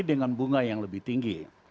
dengan bunga yang lebih tinggi